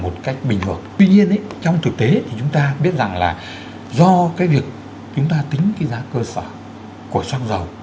tuy nhiên trong thực tế thì chúng ta biết rằng là do cái việc chúng ta tính cái giá cơ sở của xăng dầu